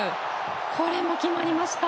これも決まりました。